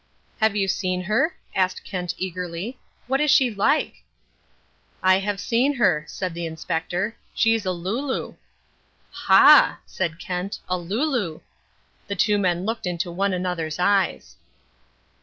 "Have you seen her?" asked Kent eagerly. "What is she like?" "I have seen her," said the Inspector. "She's a looloo." "Ha," said Kent, "a looloo!" The two men looked into one another's eyes.